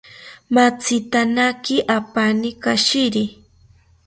Motzitanaki apani kashiri